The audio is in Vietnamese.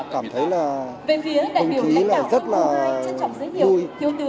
cảm thấy là công chí là rất là vui